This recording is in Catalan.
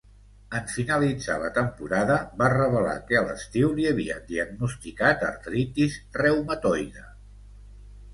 En finalitzar la temporada va revelar que a l'estiu li havien diagnosticat artritis reumatoide.